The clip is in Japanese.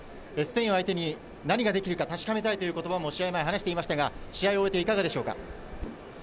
スペインを相手に何ができるか確かめたいということを話していましたが、試合を終えていかがですか？